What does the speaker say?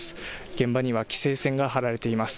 現場には規制線が張られています。